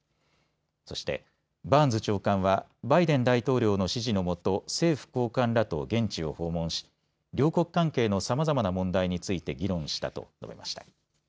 そして、バーンズ長官は、バイデン大統領の指示のもと、政府高官らと現地を訪問し両国関係のさまざまな問題について議論したと述べました。